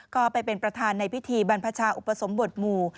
ก็ไปเป็นประธานในพิธีบรรพชาอุปสมบทหมู่